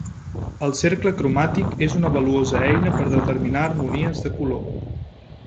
El cercle cromàtic és una valuosa eina per determinar harmonies de color.